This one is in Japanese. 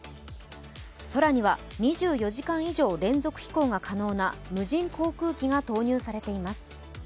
空には２４時間以上連続飛行が可能な無人航空機が投入されています。